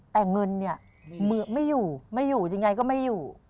แต่เงินเนี่ยไม่อยู่ไม่อยู่ยังไงก็ไม่อยู่